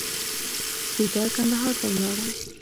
سیده کندهار ته ولاړم.